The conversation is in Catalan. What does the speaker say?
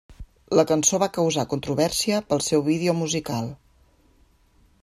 La cançó va causar controvèrsia pel seu vídeo musical.